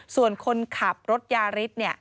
ส่วนคนขับรถยาฤทธิ์